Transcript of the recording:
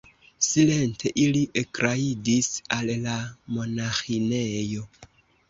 Silente ili ekrajdis al la monaĥinejo.